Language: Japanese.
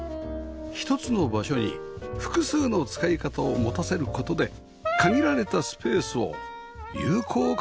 一つの場所に複数の使い方を持たせる事で限られたスペースを有効活用します